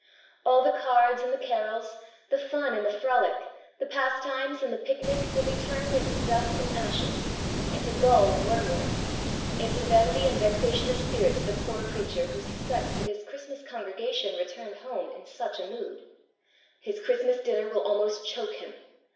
All the cards and the carols, the fun and the frolic, the pastimes and the picnics will be turned into dust and ashes, into gall and wormwood, into vanity and vexation of spirit to the poor preacher who suspects that his Christmas congregation returned home in such a mood. His Christmas dinner will almost choke him.